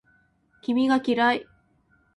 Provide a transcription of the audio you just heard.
君が嫌い